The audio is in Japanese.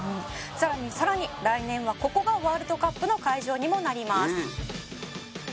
「さらにさらに来年はここがワールドカップの会場にもなります」